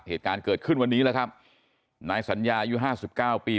เหตุการณ์เกิดขึ้นวันนี้แล้วครับนายสัญญายุห้าสิบเก้าปี